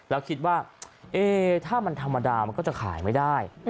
แล้วคิดว่าถ้ามันธรรมดามันก็จะขายไม่ได้